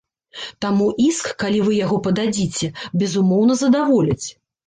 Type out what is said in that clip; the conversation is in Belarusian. Таму іск, калі вы яго пададзіце, безумоўна, задаволяць.